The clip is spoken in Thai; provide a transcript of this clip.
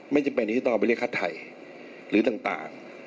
ไม่จำเป็นที่จะต้องเอาไปเรียกฆ่าไทยหรือต่าง